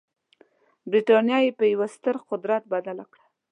برټانیه یې په یوه ستر قدرت بدله کړه.